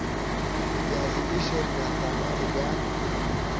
viazi lishe vina thamani gani